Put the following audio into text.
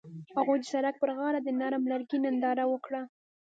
هغوی د سړک پر غاړه د نرم لرګی ننداره وکړه.